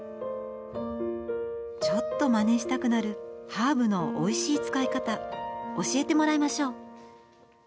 ちょっと、まねしたくなるハーブのおいしい使い方教えてもらいましょう。